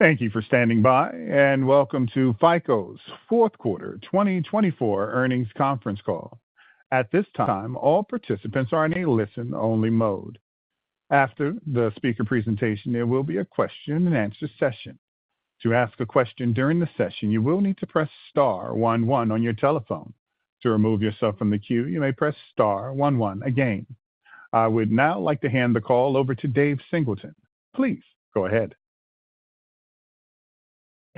Thank you for standing by, and welcome to FICO's Fourth Quarter 2024 Earnings Conference Call. At this time, all participants are in a listen-only mode. After the speaker presentation, there will be a question-and-answer session. To ask a question during the session, you will need to press Star 11 on your telephone. To remove yourself from the queue, you may press Star 11 again. I would now like to hand the call over to Dave Singleton. Please go ahead.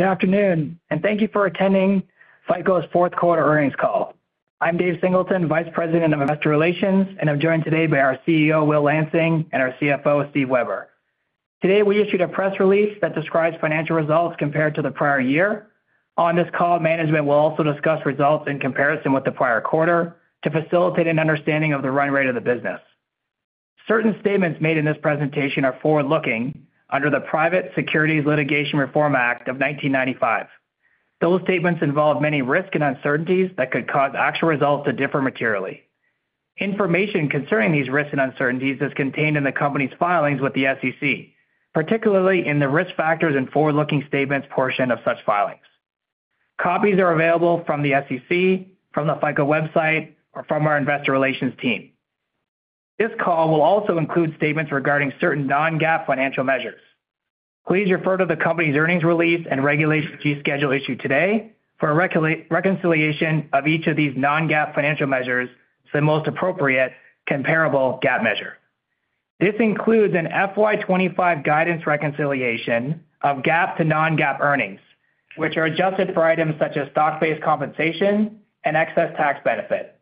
Good afternoon, and thank you for attending FICO's Fourth Quarter Earnings Call. I'm Dave Singleton, Vice President of Investor Relations, and I'm joined today by our CEO, Will Lansing, and our CFO, Steve Weber. Today, we issued a press release that describes financial results compared to the prior year. On this call, management will also discuss results in comparison with the prior quarter to facilitate an understanding of the run rate of the business. Certain statements made in this presentation are forward-looking under the Private Securities Litigation Reform Act of 1995. Those statements involve many risks and uncertainties that could cause actual results to differ materially. Information concerning these risks and uncertainties is contained in the company's filings with the SEC, particularly in the risk factors and forward-looking statements portion of such filings. Copies are available from the SEC, from the FICO website, or from our Investor Relations team. This call will also include statements regarding certain non-GAAP financial measures. Please refer to the company's earnings release and Regulation G schedule issued today for a reconciliation of each of these non-GAAP financial measures to the most appropriate, comparable GAAP measure. This includes an FY25 guidance reconciliation of GAAP to non-GAAP earnings, which are adjusted for items such as stock-based compensation and excess tax benefit.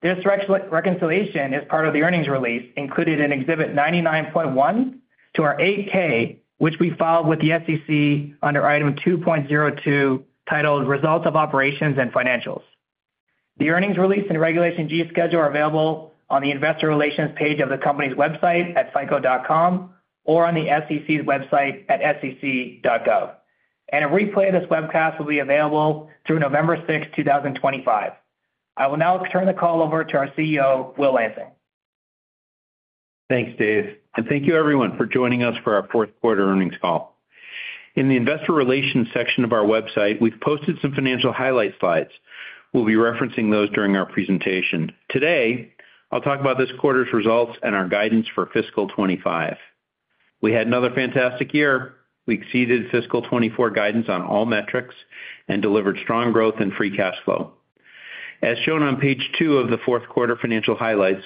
This reconciliation is part of the earnings release included in Exhibit 99.1 to our 8-K, which we filed with the SEC under Item 2.02 titled Results of Operations and Financials. The earnings release and Regulation G schedule are available on the Investor Relations page of the company's website at fico.com or on the SEC's website at sec.gov. And a replay of this webcast will be available through November 6, 2025. I will now turn the call over to our CEO, Will Lansing. Thanks, Dave, and thank you, everyone, for joining us for our Fourth Quarter Earnings Call. In the Investor Relations section of our website, we've posted some financial highlight slides. We'll be referencing those during our presentation. Today, I'll talk about this quarter's results and our guidance for Fiscal 25. We had another fantastic year. We exceeded Fiscal 24 guidance on all metrics and delivered strong growth and free cash flow. As shown on page two of the Fourth Quarter Financial Highlights,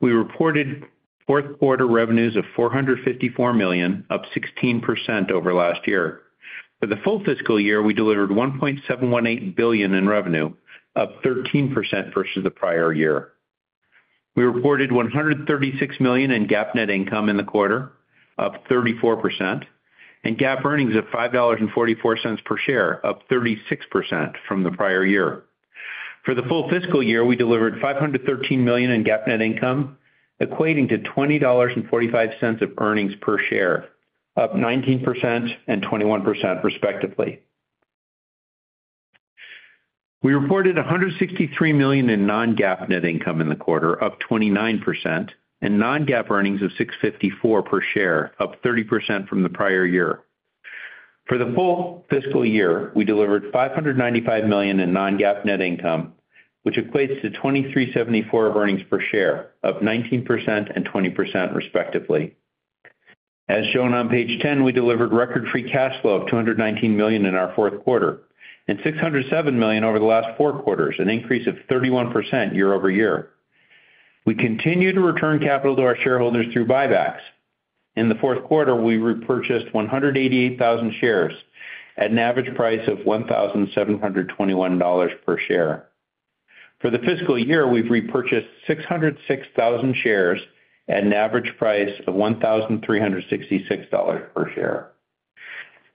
we reported Fourth Quarter revenues of $454 million, up 16% over last year. For the full fiscal year, we delivered $1.718 billion in revenue, up 13% versus the prior year. We reported $136 million in GAAP net income in the quarter, up 34%, and GAAP earnings of $5.44 per share, up 36% from the prior year. For the full fiscal year, we delivered $513 million in GAAP net income, equating to $20.45 of earnings per share, up 19% and 21%, respectively. We reported $163 million in non-GAAP net income in the quarter, up 29%, and non-GAAP earnings of $654 per share, up 30% from the prior year. For the full fiscal year, we delivered $595 million in non-GAAP net income, which equates to $2374 of earnings per share, up 19% and 20%, respectively. As shown on page 10, we delivered record free cash flow of $219 million in our fourth quarter and $607 million over the last four quarters, an increase of 31% year-over-year. We continue to return capital to our shareholders through buybacks. In the fourth quarter, we repurchased 188,000 shares at an average price of $1,721 per share. For the fiscal year, we've repurchased 606,000 shares at an average price of $1,366 per share.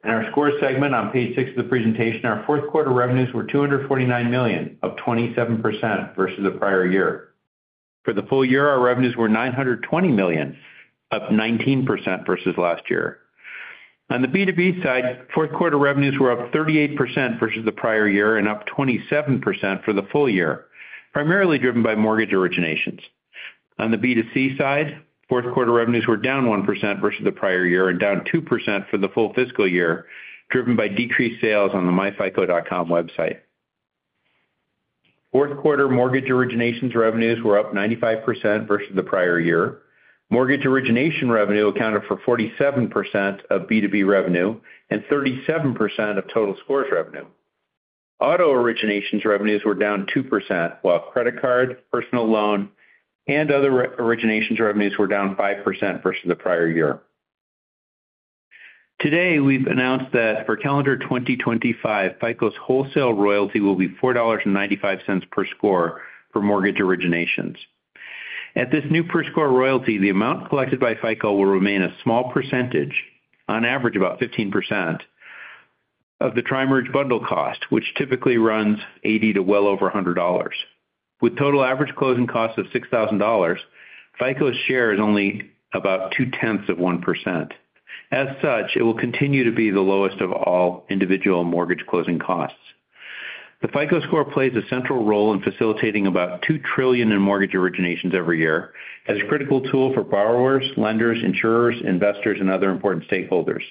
In our score segment on page six of the presentation, our fourth quarter revenues were $249 million, up 27% versus the prior year. For the full year, our revenues were $920 million, up 19% versus last year. On the B2B side, fourth quarter revenues were up 38% versus the prior year and up 27% for the full year, primarily driven by mortgage originations. On the B2C side, fourth quarter revenues were down 1% versus the prior year and down 2% for the full fiscal year, driven by decreased sales on the myFICO.com website. Fourth quarter mortgage originations revenues were up 95% versus the prior year. Mortgage origination revenue accounted for 47% of B2B revenue and 37% of total scores revenue. Auto originations revenues were down 2%, while credit card, personal loan, and other originations revenues were down 5% versus the prior year. Today, we've announced that for calendar 2025, FICO's wholesale royalty will be $4.95 per score for mortgage originations. At this new per-score royalty, the amount collected by FICO will remain a small percentage, on average about 15%, of the Tri-Merge Bundle cost, which typically runs $80 to well over $100. With total average closing costs of $6,000, FICO's share is only about 2/10 of 1%. As such, it will continue to be the lowest of all individual mortgage closing costs. The FICO Score plays a central role in facilitating about $2 trillion in mortgage originations every year as a critical tool for borrowers, lenders, insurers, investors, and other important stakeholders.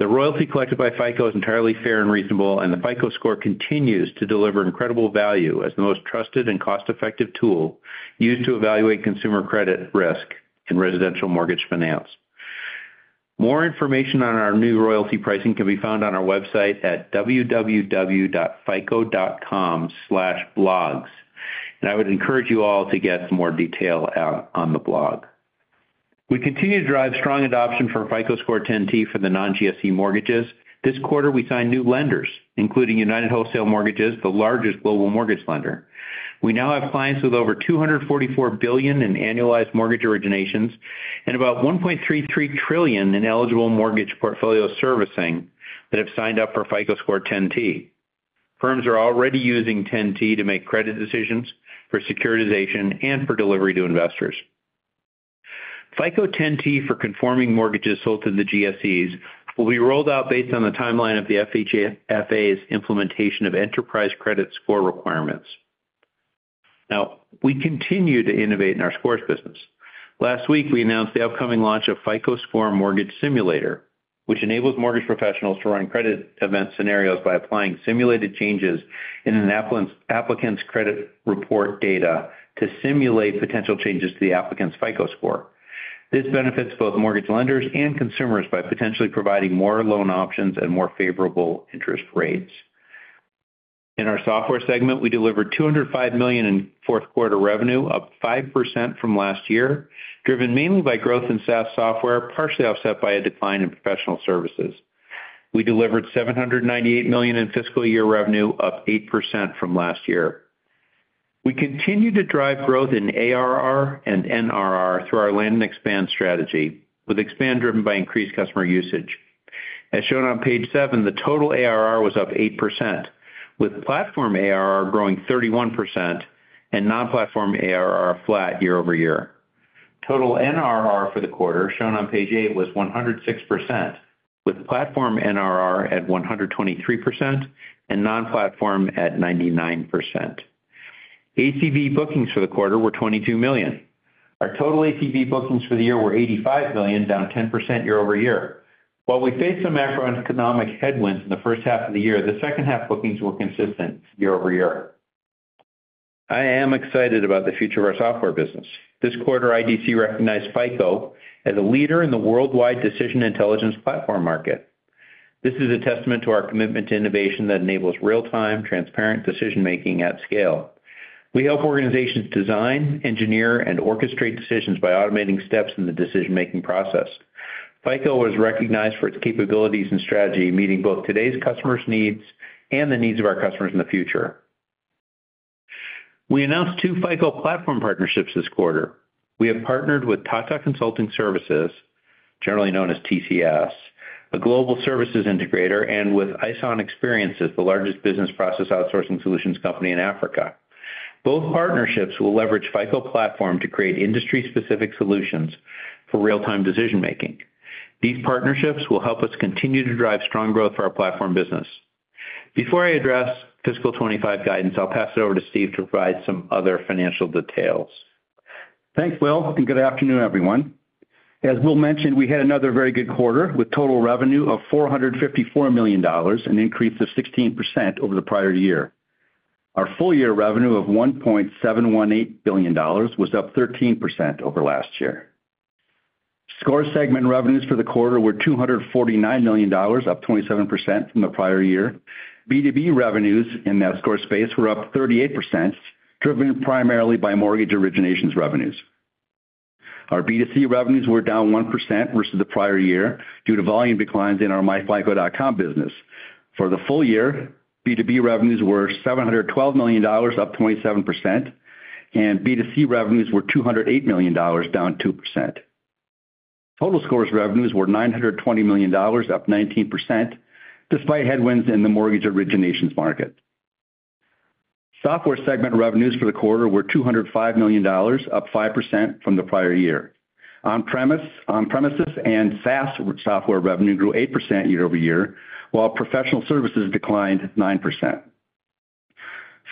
The royalty collected by FICO is entirely fair and reasonable, and the FICO Score continues to deliver incredible value as the most trusted and cost-effective tool used to evaluate consumer credit risk in residential mortgage finance. More information on our new royalty pricing can be found on our website at www.fico.com/blogs, and I would encourage you all to get some more detail out on the blog. We continue to drive strong adoption for FICO Score 10T for the non-GSE mortgages. This quarter, we signed new lenders, including United Wholesale Mortgage, the largest global mortgage lender. We now have clients with over $244 billion in annualized mortgage originations and about $1.33 trillion in eligible mortgage portfolio servicing that have signed up for FICO Score 10T. Firms are already using 10T to make credit decisions for securitization and for delivery to investors. FICO 10T for conforming mortgages sold to the GSEs will be rolled out based on the timeline of the FHFA's implementation of enterprise credit score requirements. Now, we continue to innovate in our scores business. Last week, we announced the upcoming launch of FICO Score Mortgage Simulator, which enables mortgage professionals to run credit event scenarios by applying simulated changes in an applicant's credit report data to simulate potential changes to the applicant's FICO Score. This benefits both mortgage lenders and consumers by potentially providing more loan options and more favorable interest rates. In our software segment, we delivered $205 million in fourth quarter revenue, up 5% from last year, driven mainly by growth in SaaS software, partially offset by a decline in professional services. We delivered $798 million in fiscal year revenue, up 8% from last year. We continue to drive growth in ARR and NRR through our land and expand strategy, with expand driven by increased customer usage. As shown on page seven, the total ARR was up 8%, with platform ARR growing 31% and non-platform ARR flat year-over-year. Total NRR for the quarter, shown on page eight, was 106%, with platform NRR at 123% and non-platform at 99%. ACV bookings for the quarter were $22 million. Our total ACV bookings for the year were $85 million, down 10% year-over-year. While we faced some macroeconomic headwinds in the first half of the year, the second half bookings were consistent year-over-year. I am excited about the future of our software business. This quarter, IDC recognized FICO as a leader in the worldwide decision intelligence platform market. This is a testament to our commitment to innovation that enables real-time, transparent decision-making at scale. We help organizations design, engineer, and orchestrate decisions by automating steps in the decision-making process. FICO was recognized for its capabilities and strategy, meeting both today's customers' needs and the needs of our customers in the future. We announced two FICO Platform partnerships this quarter. We have partnered with Tata Consultancy Services, generally known as TCS, a global services integrator, and with iSON Xperiences, the largest business process outsourcing solutions company in Africa. Both partnerships will leverage FICO Platform to create industry-specific solutions for real-time decision-making. These partnerships will help us continue to drive strong growth for our platform business. Before I address Fiscal 2025 guidance, I'll pass it over to Steve to provide some other financial details. Thanks, Will, and good afternoon, everyone. As Will mentioned, we had another very good quarter with total revenue of $454 million, an increase of 16% over the prior year. Our full-year revenue of $1.718 billion was up 13% over last year. Score segment revenues for the quarter were $249 million, up 27% from the prior year. B2B revenues in that score space were up 38%, driven primarily by mortgage originations revenues. Our B2C revenues were down 1% versus the prior year due to volume declines in our myFICO.com business. For the full year, B2B revenues were $712 million, up 27%, and B2C revenues were $208 million, down 2%. Total scores revenues were $920 million, up 19%, despite headwinds in the mortgage originations market. Software segment revenues for the quarter were $205 million, up 5% from the prior year. On-premises and SaaS software revenue grew 8% year-over-year, while professional services declined 9%.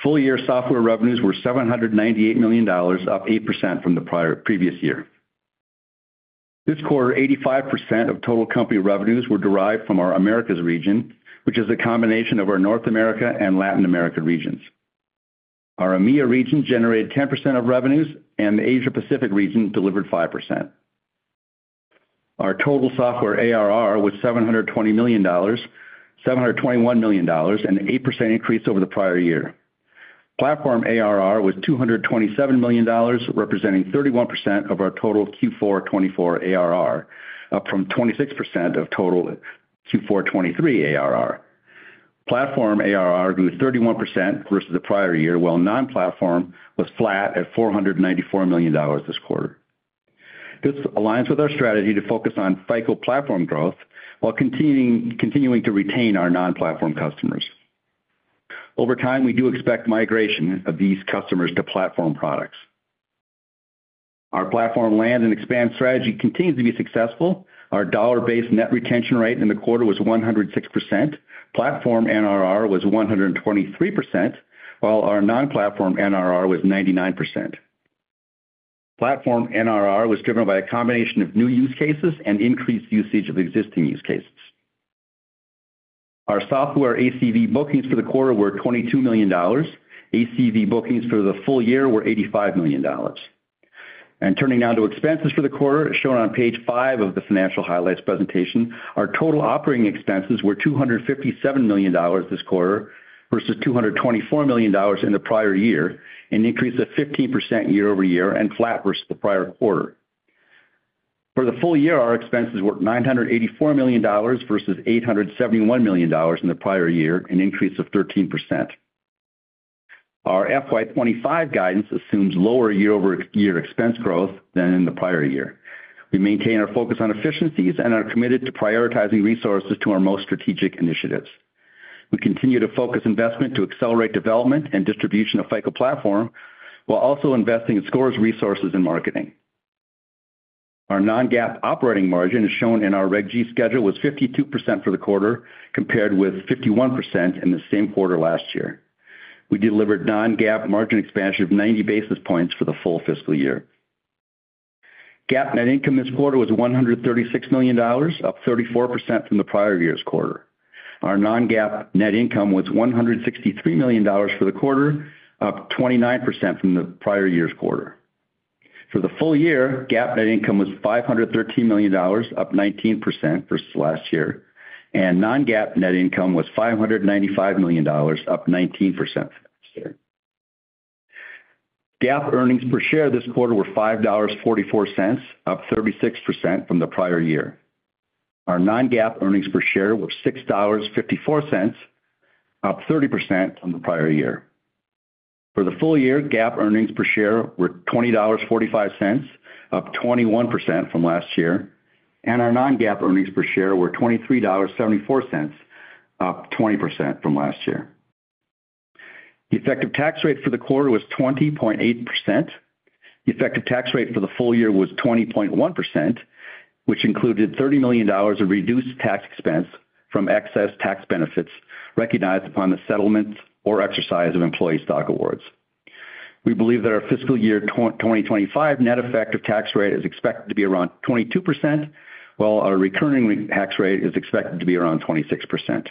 Full-year software revenues were $798 million, up 8% from the previous year. This quarter, 85% of total company revenues were derived from our Americas region, which is a combination of our North America and Latin America regions. Our EMEA region generated 10% of revenues, and the Asia-Pacific region delivered 5%. Our total software ARR was $721 million, an 8% increase over the prior year. Platform ARR was $227 million, representing 31% of our total Q4 2024 ARR, up from 26% of total Q4 2023 ARR. Platform ARR grew 31% versus the prior year, while non-platform was flat at $494 million this quarter. This aligns with our strategy to focus on FICO Platform growth while continuing to retain our non-platform customers. Over time, we do expect migration of these customers to Platform products. Our platform land and expand strategy continues to be successful. Our dollar-based net retention rate in the quarter was 106%. Platform NRR was 123%, while our non-platform NRR was 99%. Platform NRR was driven by a combination of new use cases and increased usage of existing use cases. Our software ACV bookings for the quarter were $22 million. ACV bookings for the full year were $85 million. And turning now to expenses for the quarter, as shown on page five of the financial highlights presentation, our total operating expenses were $257 million this quarter versus $224 million in the prior year, an increase of 15% year-over-year and flat versus the prior quarter. For the full year, our expenses were $984 million versus $871 million in the prior year, an increase of 13%. Our FY25 guidance assumes lower year-over-year expense growth than in the prior year. We maintain our focus on efficiencies and are committed to prioritizing resources to our most strategic initiatives. We continue to focus investment to accelerate development and distribution of FICO platform while also investing in scores resources and marketing. Our non-GAAP operating margin is shown in our Reg G schedule, was 52% for the quarter, compared with 51% in the same quarter last year. We delivered non-GAAP margin expansion of 90 basis points for the full fiscal year. GAAP net income this quarter was $136 million, up 34% from the prior year's quarter. Our non-GAAP net income was $163 million for the quarter, up 29% from the prior year's quarter. For the full year, GAAP net income was $513 million, up 19% versus last year, and non-GAAP net income was $595 million, up 19% from last year. GAAP earnings per share this quarter were $5.44, up 36% from the prior year. Our non-GAAP earnings per share were $6.54, up 30% from the prior year. For the full year, GAAP earnings per share were $20.45, up 21% from last year, and our non-GAAP earnings per share were $23.74, up 20% from last year. The effective tax rate for the quarter was 20.8%. The effective tax rate for the full year was 20.1%, which included $30 million of reduced tax expense from excess tax benefits recognized upon the settlement or exercise of employee stock awards. We believe that our fiscal year 2025 net effective tax rate is expected to be around 22%, while our recurring tax rate is expected to be around 26%.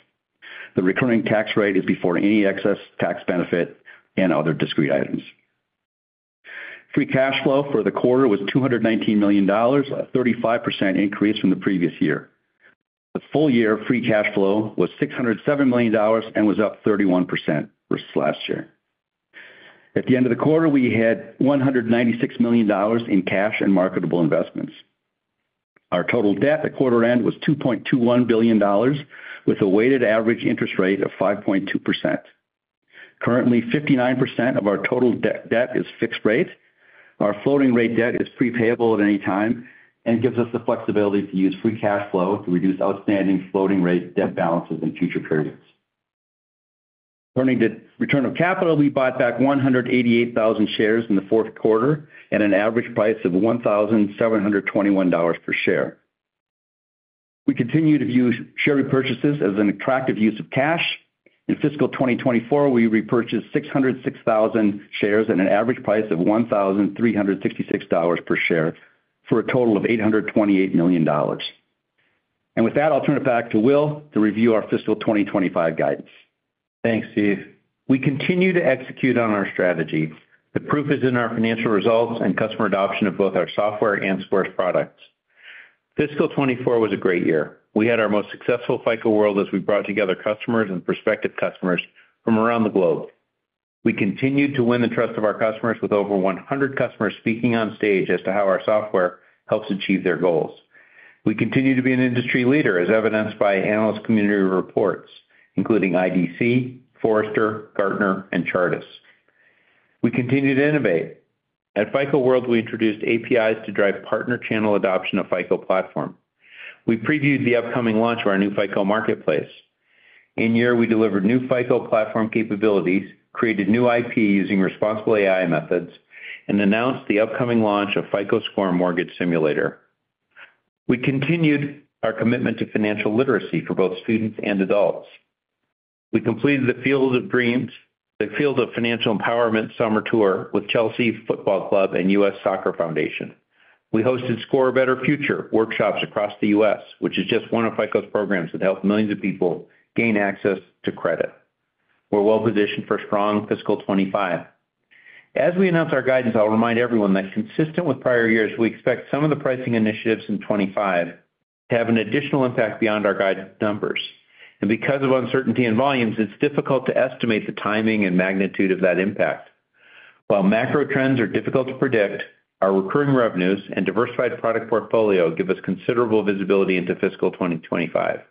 The recurring tax rate is before any excess tax benefit and other discrete items. Free cash flow for the quarter was $219 million, a 35% increase from the previous year. The full year free cash flow was $607 million and was up 31% versus last year. At the end of the quarter, we had $196 million in cash and marketable investments. Our total debt at quarter end was $2.21 billion, with a weighted average interest rate of 5.2%. Currently, 59% of our total debt is fixed rate. Our floating rate debt is prepayable at any time and gives us the flexibility to use free cash flow to reduce outstanding floating rate debt balances in future periods. Turning to return of capital, we bought back 188,000 shares in the fourth quarter at an average price of $1,721 per share. We continue to view share repurchases as an attractive use of cash. In fiscal 2024, we repurchased 606,000 shares at an average price of $1,366 per share for a total of $828 million. With that, I'll turn it back to Will to review our fiscal 2025 guidance. Thanks, Steve. We continue to execute on our strategy. The proof is in our financial results and customer adoption of both our software and scores products. Fiscal 2024 was a great year. We had our most successful FICO World as we brought together customers and prospective customers from around the globe. We continued to win the trust of our customers with over 100 customers speaking on stage as to how our software helps achieve their goals. We continue to be an industry leader, as evidenced by analyst community reports, including IDC, Forrester, Gartner, and Chartist. We continue to innovate. At FICO World, we introduced APIs to drive partner channel adoption of FICO Platform. We previewed the upcoming launch of our new FICO Marketplace. This year, we delivered new FICO Platform capabilities, created new IP using responsible AI methods, and announced the upcoming launch of FICO Score Mortgage Simulator. We continued our commitment to financial literacy for both students and adults. We completed the Field of Dreams, the Field of Financial Empowerment summer tour with Chelsea Football Club and US Soccer Foundation. We hosted Score A Better Future workshops across the US, which is just one of FICO's programs that helped millions of people gain access to credit. We're well positioned for a strong fiscal 2025. As we announce our guidance, I'll remind everyone that consistent with prior years, we expect some of the pricing initiatives in 2025 to have an additional impact beyond our guided numbers, and because of uncertainty in volumes, it's difficult to estimate the timing and magnitude of that impact. While macro trends are difficult to predict, our recurring revenues and diversified product portfolio give us considerable visibility into fiscal 2025.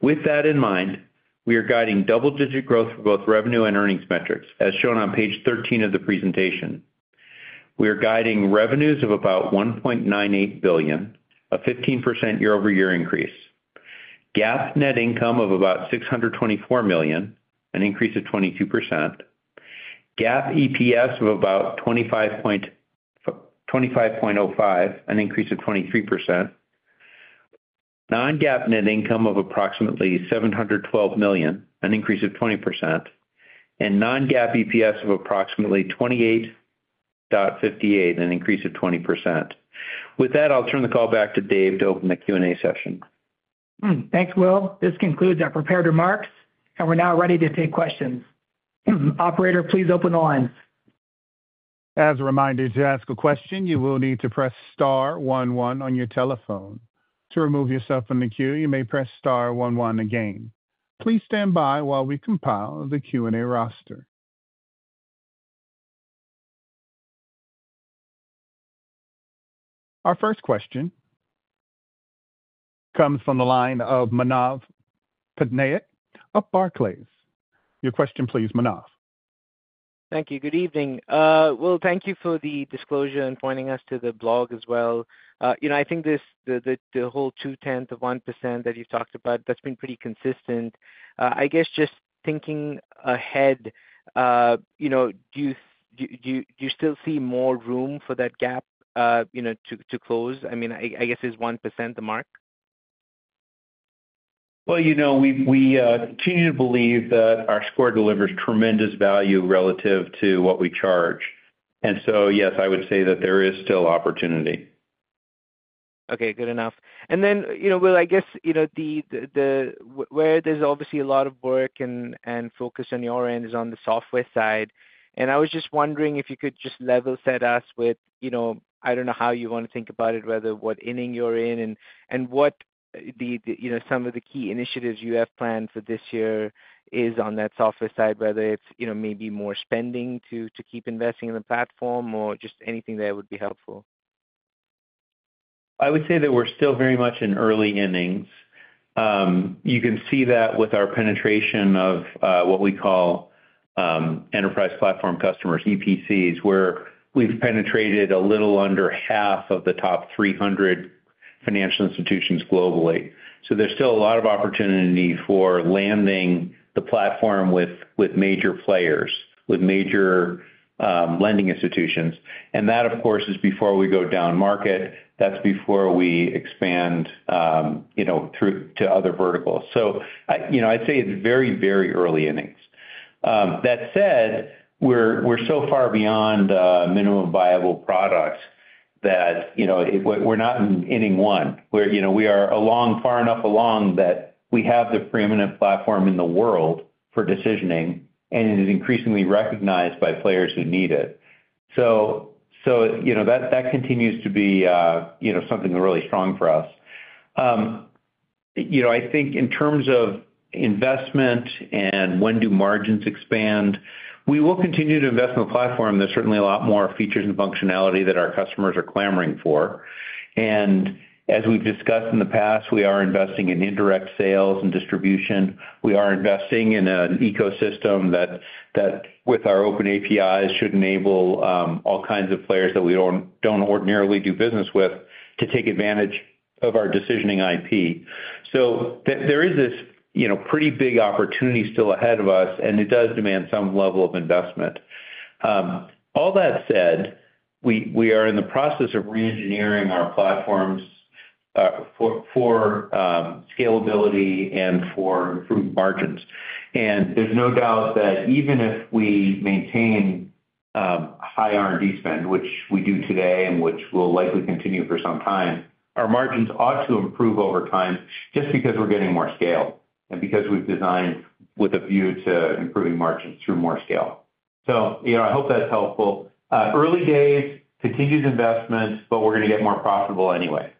With that in mind, we are guiding double-digit growth for both revenue and earnings metrics, as shown on page 13 of the presentation. We are guiding revenues of about $1.98 billion, a 15% year-over-year increase. GAAP net income of about $624 million, an increase of 22%. GAAP EPS of about $25.05, an increase of 23%. Non-GAAP net income of approximately $712 million, an increase of 20%. And non-GAAP EPS of approximately $28.58, an increase of 20%. With that, I'll turn the call back to Dave to open the Q&A session. Thanks, Will. This concludes our prepared remarks, and we're now ready to take questions. Operator, please open the lines. As a reminder to ask a question, you will need to press star 11 on your telephone. To remove yourself from the queue, you may press star 11 again. Please stand by while we compile the Q&A roster. Our first question comes from the line of Manav Patnaik of Barclays. Your question, please, Manav. Thank you. Good evening. Will, thank you for the disclosure and pointing us to the blog as well. You know, I think the whole 2/10 of 1% that you've talked about, that's been pretty consistent. I guess just thinking ahead, do you still see more room for that gap to close? I mean, I guess is 1% the mark? You know, we continue to believe that our score delivers tremendous value relative to what we charge. So, yes, I would say that there is still opportunity. Okay, good enough and then, Will, I guess where there's obviously a lot of work and focus on your end is on the software side, and I was just wondering if you could just level set us with, I don't know how you want to think about it, whether what inning you're in and what some of the key initiatives you have planned for this year is on that software side, whether it's maybe more spending to keep investing in the platform or just anything that would be helpful. I would say that we're still very much in early innings. You can see that with our penetration of what we call Enterprise Platform Customers, EPCs, where we've penetrated a little under half of the top 300 financial institutions globally. So there's still a lot of opportunity for landing the platform with major players, with major lending institutions. And that, of course, is before we go down market. That's before we expand to other verticals. So I'd say it's very, very early innings. That said, we're so far beyond minimum viable product that we're not in inning one. We are far enough along that we have the preeminent platform in the world for decisioning, and it is increasingly recognized by players who need it. So that continues to be something really strong for us. I think in terms of investment and when do margins expand, we will continue to invest in the platform. There's certainly a lot more features and functionality that our customers are clamoring for. And as we've discussed in the past, we are investing in indirect sales and distribution. We are investing in an ecosystem that, with our open APIs, should enable all kinds of players that we don't ordinarily do business with to take advantage of our decisioning IP. So there is this pretty big opportunity still ahead of us, and it does demand some level of investment. All that said, we are in the process of reengineering our platforms for scalability and for improved margins. And there's no doubt that even if we maintain high R&D spend, which we do today and which will likely continue for some time, our margins ought to improve over time just because we're getting more scale and because we've designed with a view to improving margins through more scale. So I hope that's helpful. Early days, continued investment, but we're going to get more profitable anyway.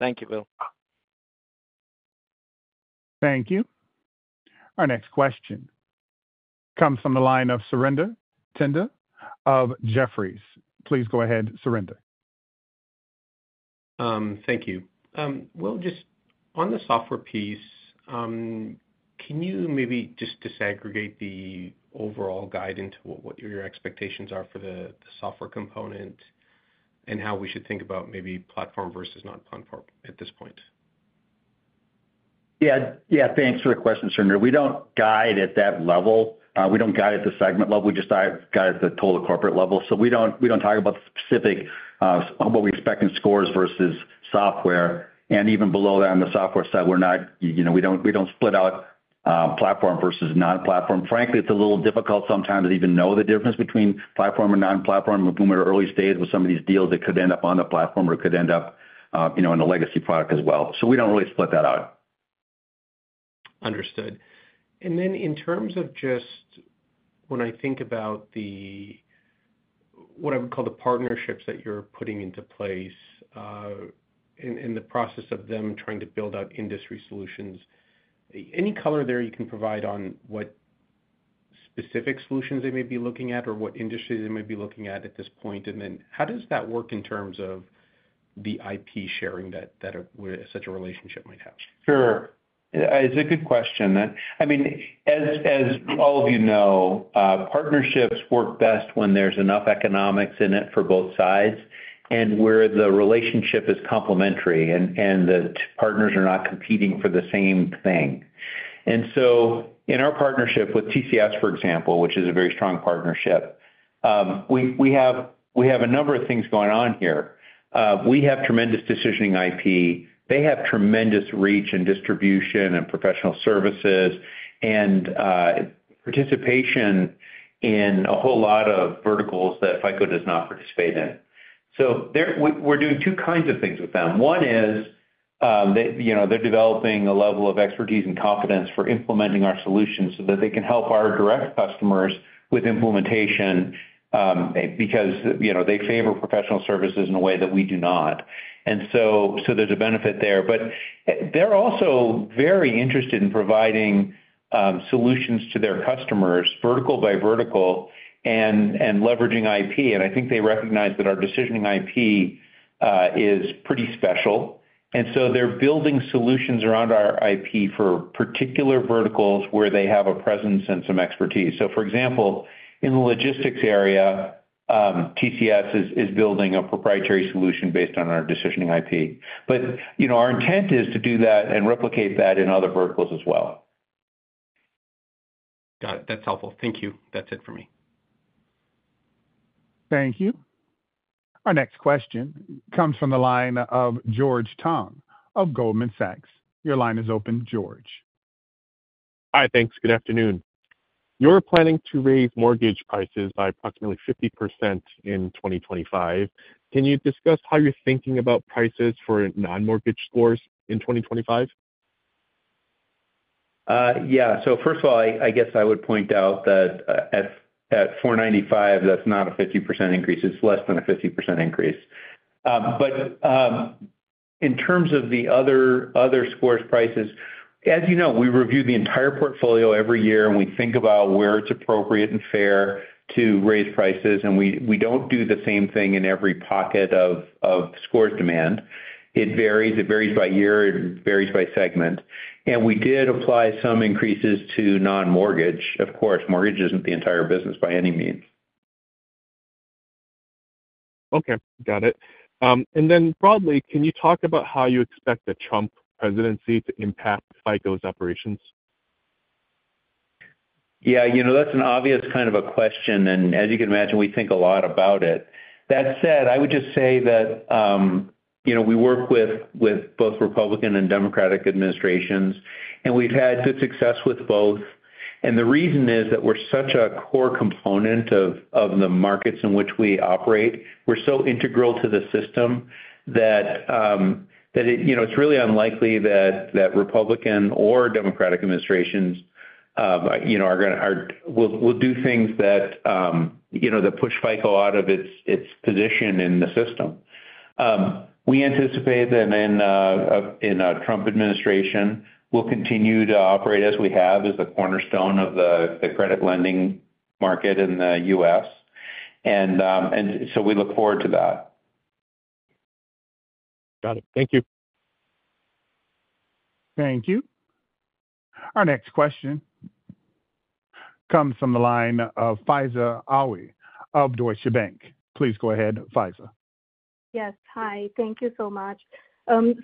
Thank you, Will. Thank you. Our next question comes from the line of Surinder Thind of Jefferies. Please go ahead, Surinder. Thank you. Will, just on the software piece, can you maybe just disaggregate the overall guide into what your expectations are for the software component and how we should think about maybe platform versus non-platform at this point? Yeah, yeah, thanks for the question, Surinder. We don't guide at that level. We don't guide at the segment level. We just guide at the total corporate level. So we don't talk about the specific what we expect in scores versus software. And even below that on the software side, we don't split out platform versus non-platform. Frankly, it's a little difficult sometimes to even know the difference between platform and non-platform. We're in the early stage with some of these deals that could end up on the platform or could end up in a legacy product as well. So we don't really split that out. Understood. And then in terms of just when I think about what I would call the partnerships that you're putting into place in the process of them trying to build out industry solutions, any color there you can provide on what specific solutions they may be looking at or what industry they may be looking at at this point? And then how does that work in terms of the IP sharing that such a relationship might have? Sure. It's a good question. I mean, as all of you know, partnerships work best when there's enough economics in it for both sides and where the relationship is complementary and the partners are not competing for the same thing. And so in our partnership with TCS, for example, which is a very strong partnership, we have a number of things going on here. We have tremendous decisioning IP. They have tremendous reach and distribution and professional services and participation in a whole lot of verticals that FICO does not participate in. So we're doing two kinds of things with them. One is they're developing a level of expertise and confidence for implementing our solutions so that they can help our direct customers with implementation because they favor professional services in a way that we do not. And so there's a benefit there. But they're also very interested in providing solutions to their customers vertical by vertical and leveraging IP. And I think they recognize that our decisioning IP is pretty special. And so they're building solutions around our IP for particular verticals where they have a presence and some expertise. So for example, in the logistics area, TCS is building a proprietary solution based on our decisioning IP. But our intent is to do that and replicate that in other verticals as well. Got it. That's helpful. Thank you. That's it for me. Thank you. Our next question comes from the line of George Tong of Goldman Sachs. Your line is open, George. Hi, thanks. Good afternoon. You're planning to raise mortgage prices by approximately 50% in 2025. Can you discuss how you're thinking about prices for non-mortgage scores in 2025? Yeah. So first of all, I guess I would point out that at 495, that's not a 50% increase. It's less than a 50% increase. But in terms of the other scores prices, as you know, we review the entire portfolio every year, and we think about where it's appropriate and fair to raise prices. And we don't do the same thing in every pocket of scores demand. It varies. It varies by year. It varies by segment. And we did apply some increases to non-mortgage. Of course, mortgage isn't the entire business by any means. Okay. Got it. And then broadly, can you talk about how you expect a Trump presidency to impact FICO's operations? Yeah, that's an obvious kind of a question. And as you can imagine, we think a lot about it. That said, I would just say that we work with both Republican and Democratic administrations, and we've had good success with both. And the reason is that we're such a core component of the markets in which we operate. We're so integral to the system that it's really unlikely that Republican or Democratic administrations will do things that push FICO out of its position in the system. We anticipate that in a Trump administration, we'll continue to operate as we have as the cornerstone of the credit lending market in the US. And so we look forward to that. Got it. Thank you. Thank you. Our next question comes from the line of Faiza Alwy of Deutsche Bank. Please go ahead, Faiza. Yes. Hi. Thank you so much.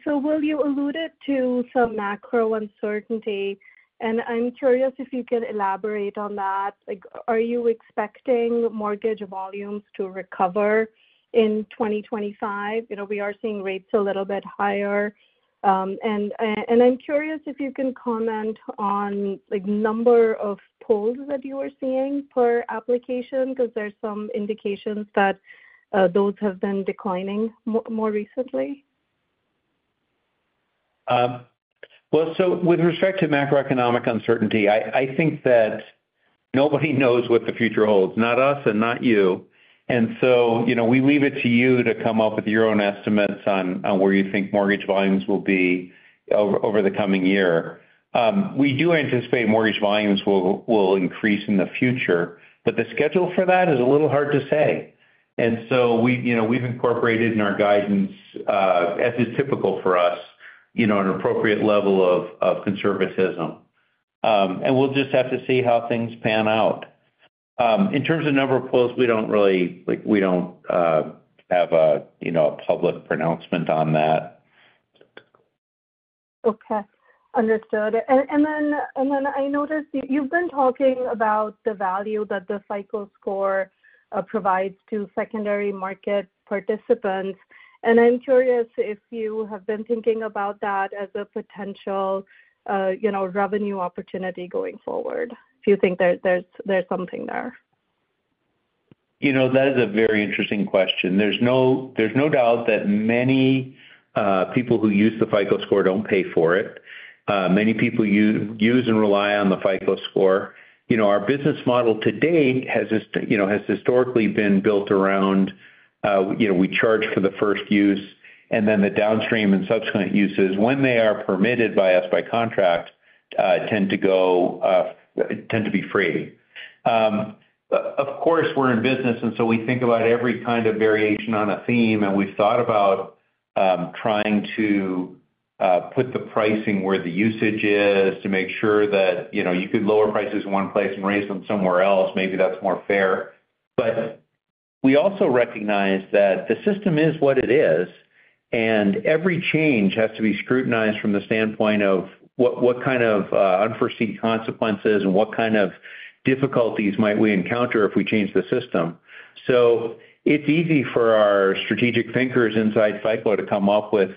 So Will, you alluded to some macro uncertainty, and I'm curious if you can elaborate on that. Are you expecting mortgage volumes to recover in 2025? We are seeing rates a little bit higher. And I'm curious if you can comment on the number of pulls that you were seeing per application because there's some indications that those have been declining more recently. With respect to macroeconomic uncertainty, I think that nobody knows what the future holds, not us and not you. We leave it to you to come up with your own estimates on where you think mortgage volumes will be over the coming year. We do anticipate mortgage volumes will increase in the future, but the schedule for that is a little hard to say. We've incorporated in our guidance, as is typical for us, an appropriate level of conservatism. We'll just have to see how things pan out. In terms of number of pulls, we don't really have a public pronouncement on that. Okay. Understood. And then I noticed you've been talking about the value that the FICO Score provides to secondary market participants. And I'm curious if you have been thinking about that as a potential revenue opportunity going forward, if you think there's something there? That is a very interesting question. There's no doubt that many people who use the FICO Score don't pay for it. Many people use and rely on the FICO Score. Our business model to date has historically been built around we charge for the first use and then the downstream and subsequent uses when they are permitted by us by contract tend to be free. Of course, we're in business, and so we think about every kind of variation on a theme, and we've thought about trying to put the pricing where the usage is to make sure that you could lower prices in one place and raise them somewhere else. Maybe that's more fair. But we also recognize that the system is what it is, and every change has to be scrutinized from the standpoint of what kind of unforeseen consequences and what kind of difficulties might we encounter if we change the system. So it's easy for our strategic thinkers inside FICO to come up with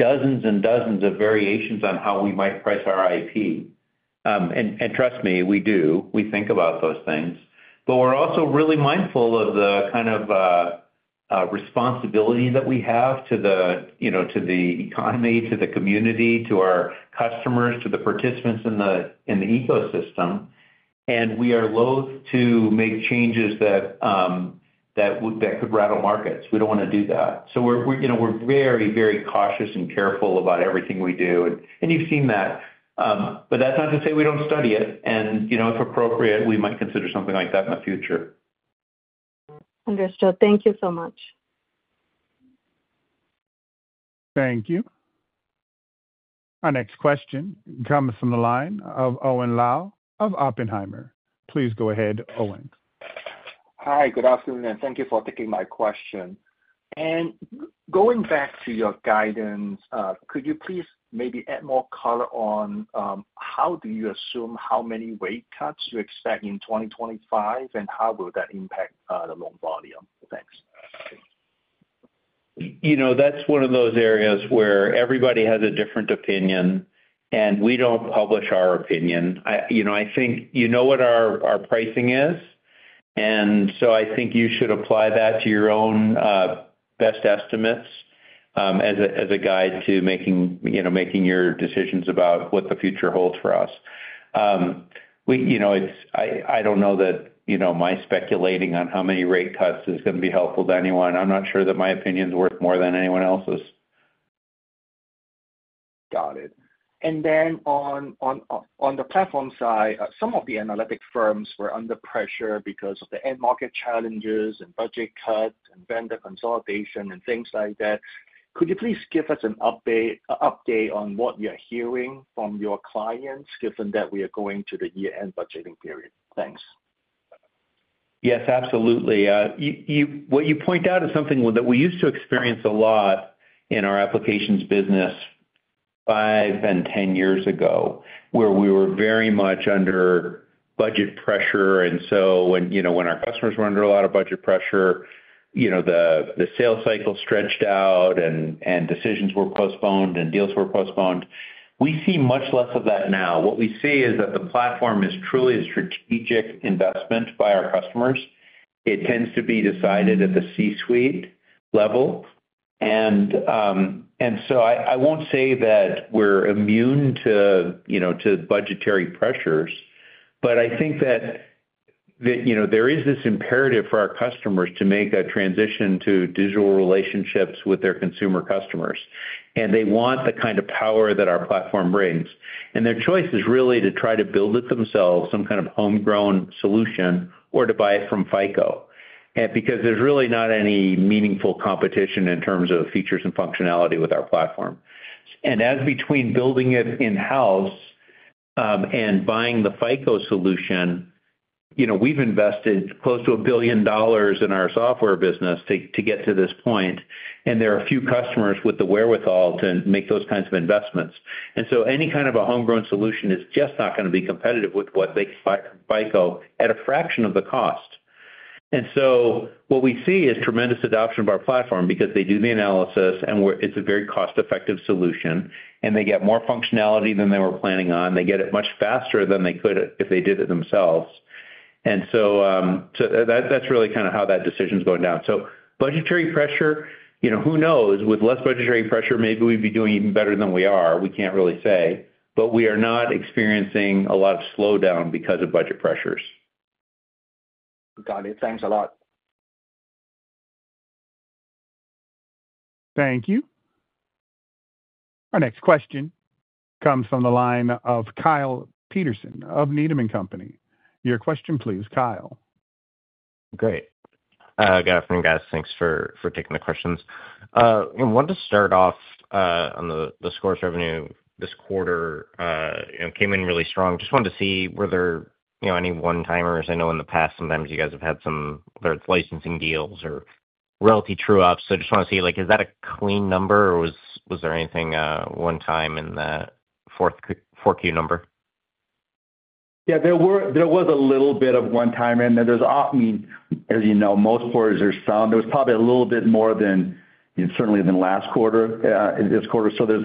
dozens and dozens of variations on how we might price our IP. And trust me, we do. We think about those things. But we're also really mindful of the kind of responsibility that we have to the economy, to the community, to our customers, to the participants in the ecosystem. And we are loath to make changes that could rattle markets. We don't want to do that. So we're very, very cautious and careful about everything we do. And you've seen that. But that's not to say we don't study it. If appropriate, we might consider something like that in the future. Understood. Thank you so much. Thank you. Our next question comes from the line of Owen Lau of Oppenheimer. Please go ahead, Owen. Hi. Good afternoon, and thank you for taking my question. Going back to your guidance, could you please maybe add more color on how do you assume how many rate cuts you expect in 2025, and how will that impact the loan volume? Thanks. That's one of those areas where everybody has a different opinion, and we don't publish our opinion. I think you know what our pricing is, and so I think you should apply that to your own best estimates as a guide to making your decisions about what the future holds for us. I don't know that my speculating on how many rate cuts is going to be helpful to anyone. I'm not sure that my opinion is worth more than anyone else's. Got it, and then on the platform side, some of the analytic firms were under pressure because of the end market challenges and budget cuts and vendor consolidation and things like that. Could you please give us an update on what you're hearing from your clients given that we are going to the year-end budgeting period? Thanks. Yes, absolutely. What you point out is something that we used to experience a lot in our applications business five and 10 years ago where we were very much under budget pressure. And so when our customers were under a lot of budget pressure, the sales cycle stretched out and decisions were postponed and deals were postponed. We see much less of that now. What we see is that the platform is truly a strategic investment by our customers. It tends to be decided at the C-suite level. And so I won't say that we're immune to budgetary pressures, but I think that there is this imperative for our customers to make that transition to digital relationships with their consumer customers. And they want the kind of power that our platform brings. Their choice is really to try to build it themselves, some kind of homegrown solution, or to buy it from FICO because there's really not any meaningful competition in terms of features and functionality with our platform. As between building it in-house and buying the FICO solution, we've invested close to $1 billion in our software business to get to this point. There are a few customers with the wherewithal to make those kinds of investments. Any kind of a homegrown solution is just not going to be competitive with what they can buy from FICO at a fraction of the cost. What we see is tremendous adoption of our platform because they do the analysis and it's a very cost-effective solution. They get more functionality than they were planning on. They get it much faster than they could if they did it themselves. And so that's really kind of how that decision is going down. So budgetary pressure, who knows? With less budgetary pressure, maybe we'd be doing even better than we are. We can't really say. But we are not experiencing a lot of slowdown because of budget pressures. Got it. Thanks a lot. Thank you. Our next question comes from the line of Kyle Peterson of Needham & Company. Your question, please, Kyle. Great. Good afternoon, guys. Thanks for taking the questions. I wanted to start off on the scores revenue this quarter came in really strong. Just wanted to see were there any one-timers. I know in the past, sometimes you guys have had some licensing deals or royalty true-ups. So I just want to see, is that a clean number or was there anything one-time in that four-Q number? Yeah, there was a little bit of one-time in there. I mean, as you know, most quarters are sound. There was probably a little bit more than certainly than last quarter this quarter. So there's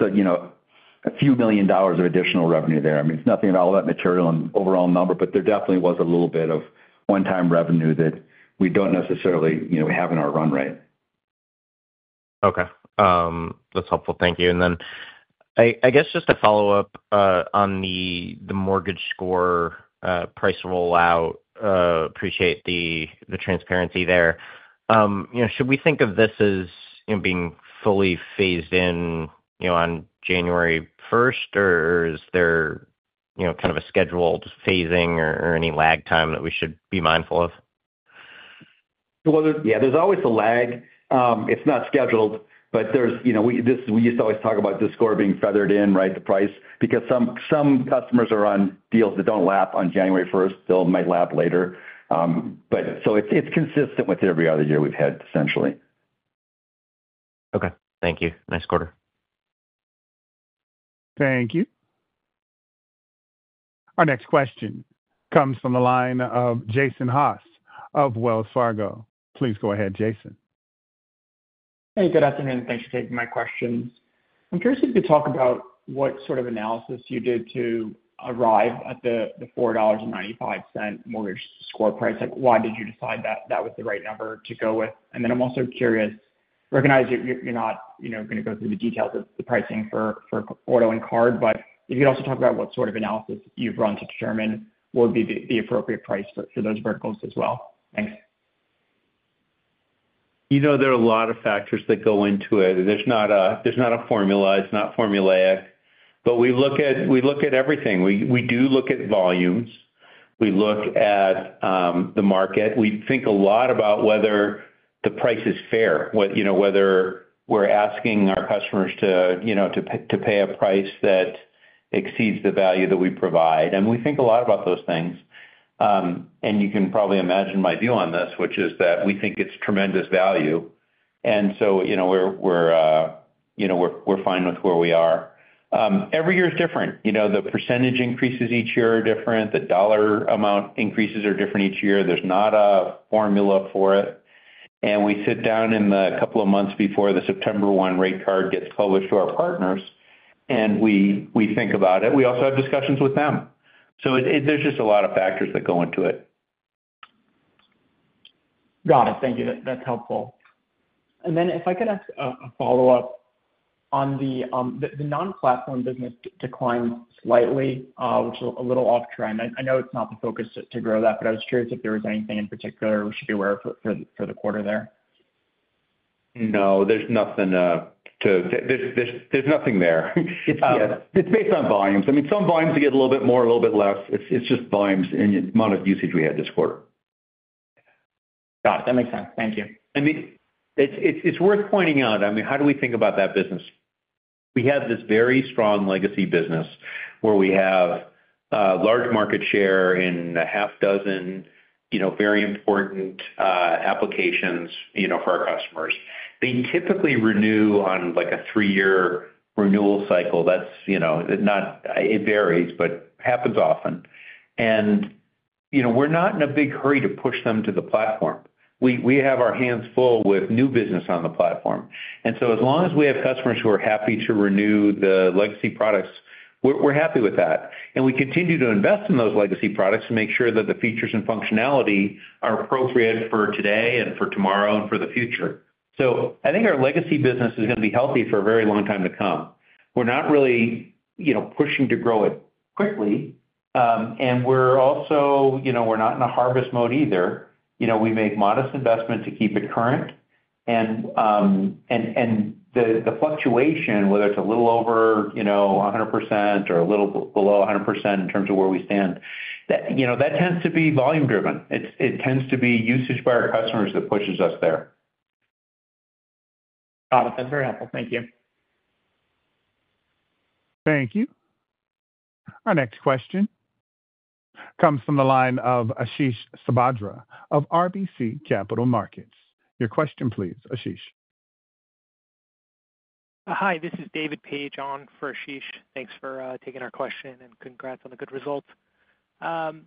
a few million dollars of additional revenue there. I mean, it's nothing at all that material in overall number, but there definitely was a little bit of one-time revenue that we don't necessarily have in our run rate. Okay. That's helpful. Thank you. And then I guess just to follow up on the mortgage score price rollout, appreciate the transparency there. Should we think of this as being fully phased in on January 1st, or is there kind of a scheduled phasing or any lag time that we should be mindful of? Yeah, there's always a lag. It's not scheduled, but we used to always talk about the score being feathered in, right, the price, because some customers are on deals that don't lap on January 1st. They'll might lap later. But so it's consistent with every other year we've had, essentially. Okay. Thank you. Nice quarter. Thank you. Our next question comes from the line of Jason Haas of Wells Fargo. Please go ahead, Jason. Hey, good afternoon. Thanks for taking my questions. I'm curious if you could talk about what sort of analysis you did to arrive at the $4.95 mortgage score price. Why did you decide that that was the right number to go with? And then I'm also curious, recognize you're not going to go through the details of the pricing for auto and card, but if you could also talk about what sort of analysis you've run to determine what would be the appropriate price for those verticals as well. Thanks. There are a lot of factors that go into it. There's not a formula. It's not formulaic. But we look at everything. We do look at volumes. We look at the market. We think a lot about whether the price is fair, whether we're asking our customers to pay a price that exceeds the value that we provide. And we think a lot about those things. And you can probably imagine my view on this, which is that we think it's tremendous value. And so we're fine with where we are. Every year is different. The percentage increases each year are different. The dollar amount increases are different each year. There's not a formula for it. And we sit down in the couple of months before the September 1 rate card gets published to our partners, and we think about it. We also have discussions with them. So there's just a lot of factors that go into it. Got it. Thank you. That's helpful, and then if I could ask a follow-up on the non-platform business, which declined slightly, which is a little off-trend. I know it's not the focus to grow that, but I was curious if there was anything in particular we should be aware of for the quarter there. No, there's nothing there. It's based on volumes. I mean, some volumes get a little bit more, a little bit less. It's just volumes and the amount of usage we had this quarter. Got it. That makes sense. Thank you. I mean, it's worth pointing out. I mean, how do we think about that business? We have this very strong legacy business where we have large market share in a half dozen very important applications for our customers. They typically renew on a three-year renewal cycle. It varies, but it happens often, and we're not in a big hurry to push them to the platform. We have our hands full with new business on the platform, and so as long as we have customers who are happy to renew the legacy products, we're happy with that, and we continue to invest in those legacy products to make sure that the features and functionality are appropriate for today and for tomorrow and for the future, so I think our legacy business is going to be healthy for a very long time to come. We're not really pushing to grow it quickly. And we're also not in a harvest mode either. We make modest investment to keep it current. And the fluctuation, whether it's a little over 100% or a little below 100% in terms of where we stand, that tends to be volume-driven. It tends to be usage by our customers that pushes us there. Got it. That's very helpful. Thank you. Thank you. Our next question comes from the line of Ashish Sabadra of RBC Capital Markets. Your question, please, Ashish. Hi, this is David Paige on for Ashish. Thanks for taking our question and congrats on the good results.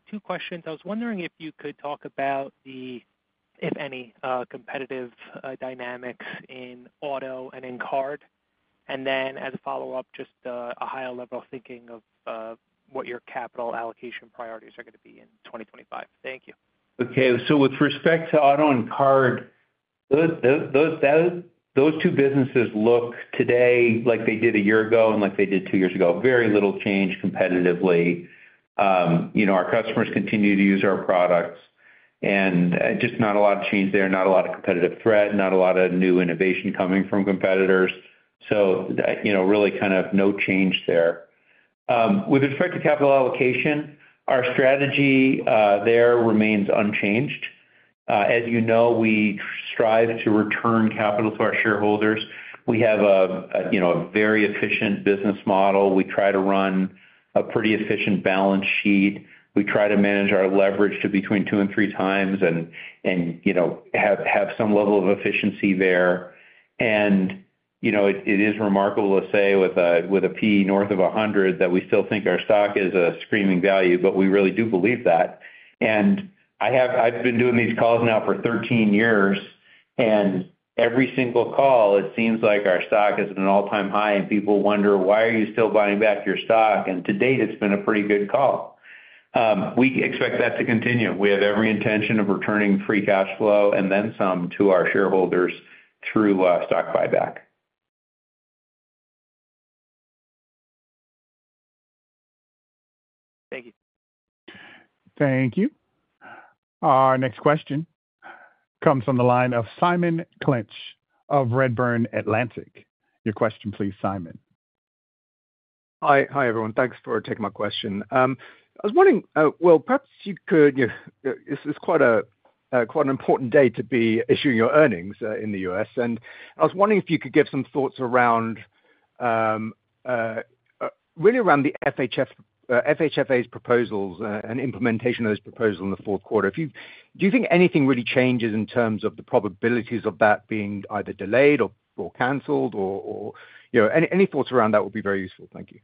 Two questions. I was wondering if you could talk about the, if any, competitive dynamics in auto and in card. And then as a follow-up, just a higher level thinking of what your capital allocation priorities are going to be in 2025. Thank you. Okay. So with respect to auto and card, those two businesses look today like they did a year ago and like they did two years ago. Very little change competitively. Our customers continue to use our products. And just not a lot of change there, not a lot of competitive threat, not a lot of new innovation coming from competitors. So really kind of no change there. With respect to capital allocation, our strategy there remains unchanged. As you know, we strive to return capital to our shareholders. We have a very efficient business model. We try to run a pretty efficient balance sheet. We try to manage our leverage to between two and three times and have some level of efficiency there. It is remarkable to say with a P/E north of 100 that we still think our stock is a screaming value, but we really do believe that. I've been doing these calls now for 13 years. Every single call, it seems like our stock is at an all-time high. People wonder, "Why are you still buying back your stock?" To date, it's been a pretty good call. We expect that to continue. We have every intention of returning free cash flow and then some to our shareholders through stock buyback. Thank you. Thank you. Our next question comes from the line of Simon Clinch of Redburn Atlantic. Your question, please, Simon. Hi, everyone. Thanks for taking my question. I was wondering, well, perhaps you could. It's quite an important day to be issuing your earnings in the US. I was wondering if you could give some thoughts really around the FHFA's proposals and implementation of those proposals in the fourth quarter. Do you think anything really changes in terms of the probabilities of that being either delayed or canceled? Any thoughts around that would be very useful. Thank you.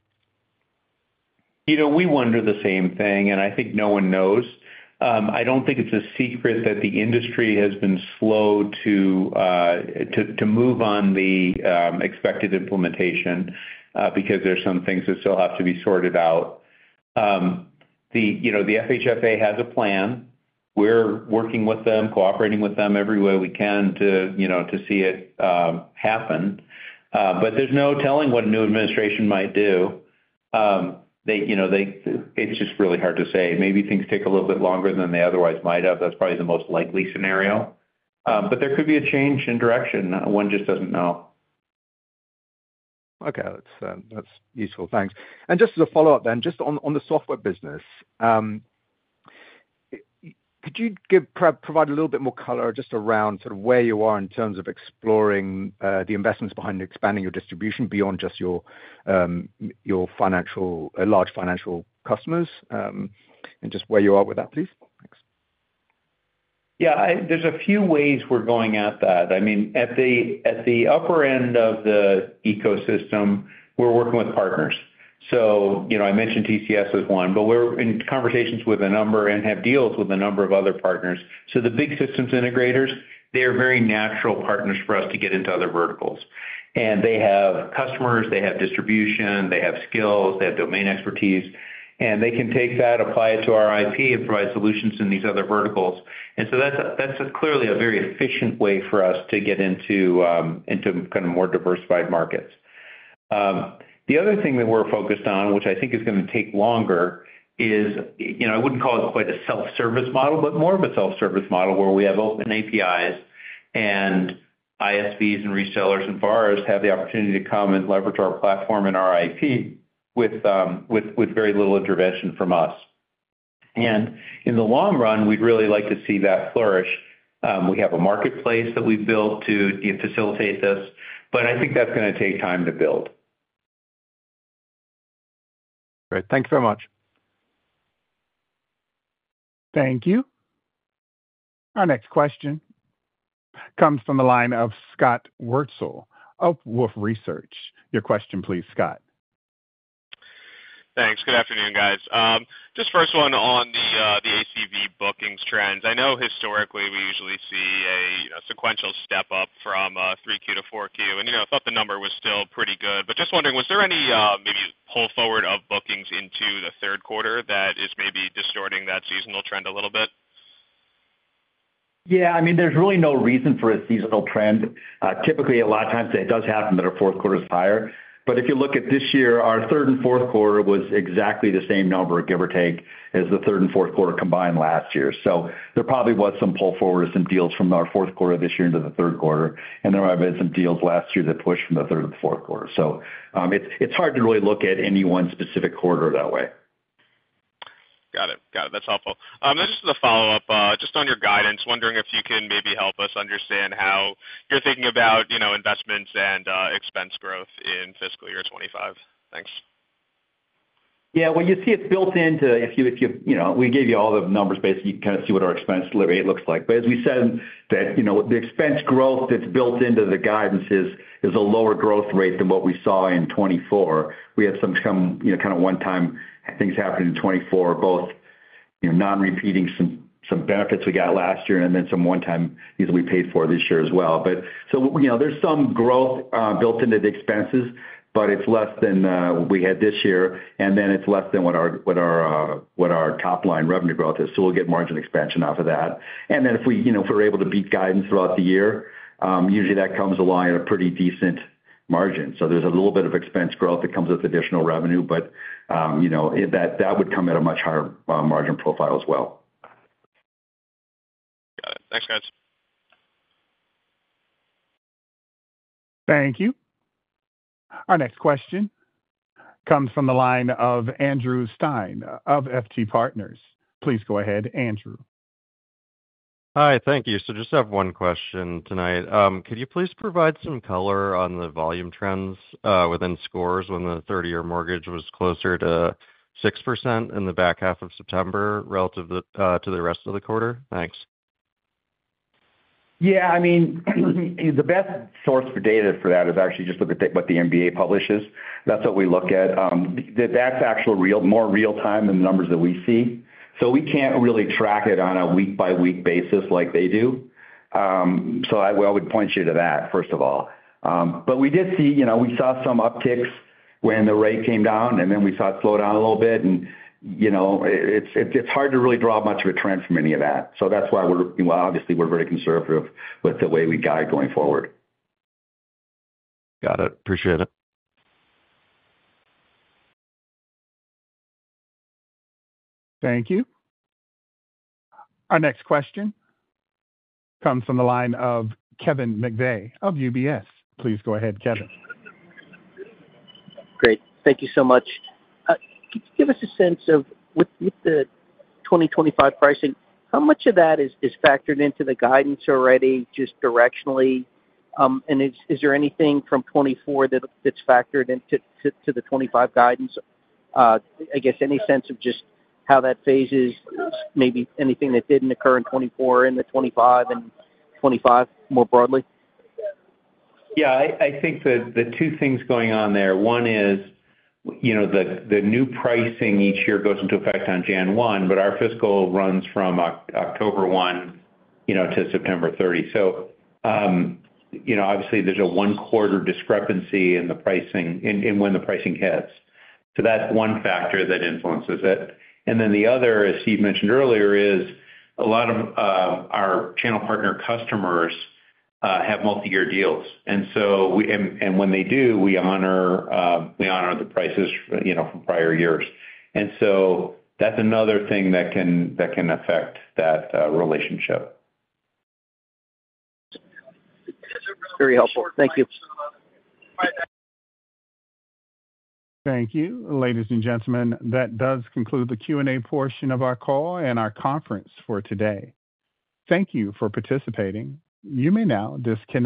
We wonder the same thing, and I think no one knows. I don't think it's a secret that the industry has been slow to move on the expected implementation because there are some things that still have to be sorted out. The FHFA has a plan. We're working with them, cooperating with them every way we can to see it happen, but there's no telling what a new administration might do. It's just really hard to say. Maybe things take a little bit longer than they otherwise might have. That's probably the most likely scenario, but there could be a change in direction. One just doesn't know. Okay. That's useful. Thanks. And just as a follow-up then, just on the software business, could you provide a little bit more color just around sort of where you are in terms of exploring the investments behind expanding your distribution beyond just your large financial customers and just where you are with that, please? Thanks. Yeah. There's a few ways we're going at that. I mean, at the upper end of the ecosystem, we're working with partners. So I mentioned TCS as one, but we're in conversations with a number and have deals with a number of other partners. So the big systems integrators, they are very natural partners for us to get into other verticals. And they have customers, they have distribution, they have skills, they have domain expertise. And they can take that, apply it to our IP, and provide solutions in these other verticals. And so that's clearly a very efficient way for us to get into kind of more diversified markets. The other thing that we're focused on, which I think is going to take longer, is I wouldn't call it quite a self-service model, but more of a self-service model where we have open APIs. ISVs and resellers and buyers have the opportunity to come and leverage our platform and our IP with very little intervention from us. In the long run, we'd really like to see that flourish. We have a marketplace that we've built to facilitate this. I think that's going to take time to build. Great. Thank you very much. Thank you. Our next question comes from the line of Scott Wurtzel of Wolfe Research. Your question, please, Scott. Thanks. Good afternoon, guys. Just first one on the ACV bookings trends. I know historically we usually see a sequential step up from 3Q-4Q. And I thought the number was still pretty good. But just wondering, was there any maybe pull forward of bookings into the third quarter that is maybe distorting that seasonal trend a little bit? Yeah. I mean, there's really no reason for a seasonal trend. Typically, a lot of times it does happen that our fourth quarter is higher. But if you look at this year, our third and fourth quarter was exactly the same number, give or take, as the third and fourth quarter combined last year. So there probably was some pull forward of some deals from our fourth quarter this year into the third quarter. And there might have been some deals last year that pushed from the third to the fourth quarter. So it's hard to really look at any one specific quarter that way. Got it. Got it. That's helpful. This is a follow-up just on your guidance, wondering if you can maybe help us understand how you're thinking about investments and expense growth in fiscal year 2025. Thanks. Yeah. Well, you see it's built into if you—we gave you all the numbers basically. You can kind of see what our expense delivery looks like. But as we said, the expense growth that's built into the guidance is a lower growth rate than what we saw in 2024. We had some kind of one-time things happening in 2024, both non-repeating some benefits we got last year and then some one-time things that we paid for this year as well. So there's some growth built into the expenses, but it's less than what we had this year. And then it's less than what our top-line revenue growth is. So we'll get margin expansion off of that. And then if we're able to beat guidance throughout the year, usually that comes along at a pretty decent margin. So there's a little bit of expense growth that comes with additional revenue, but that would come at a much higher margin profile as well. Got it. Thanks, guys. Thank you. Our next question comes from the line of Andrew Stein of FT Partners. Please go ahead, Andrew. Hi. Thank you. So just have one question tonight. Could you please provide some color on the volume trends within scores when the 30-year mortgage was closer to 6% in the back half of September relative to the rest of the quarter? Thanks. Yeah. I mean, the best source for data for that is actually just look at what the MBA publishes. That's what we look at. That's actually more real-time than the numbers that we see. So we can't really track it on a week-by-week basis like they do. So I would point you to that, first of all. But we did see, we saw some upticks when the rate came down, and then we saw it slow down a little bit. And it's hard to really draw much of a trend from any of that. So that's why we're, obviously, we're very conservative with the way we guide going forward. Got it. Appreciate it. Thank you. Our next question comes from the line of Kevin McVeigh of UBS. Please go ahead, Kevin. Great. Thank you so much. Can you give us a sense of with the 2025 pricing, how much of that is factored into the guidance already, just directionally? And is there anything from 2024 that's factored into the 2025 guidance? I guess any sense of just how that phases, maybe anything that didn't occur in 2024 or in the 2025 and 2025 more broadly? Yeah. I think the two things going on there. One is the new pricing each year goes into effect on January 1, but our fiscal runs from October 1 to September 30. So obviously, there's a one-quarter discrepancy in when the pricing hits. So that's one factor that influences it. And then the other, as you mentioned earlier, is a lot of our channel partner customers have multi-year deals. And when they do, we honor the prices from prior years. And so that's another thing that can affect that relationship. Very helpful. Thank you. Thank you. Ladies and gentlemen, that does conclude the Q&A portion of our call and our conference for today. Thank you for participating. You may now disconnect.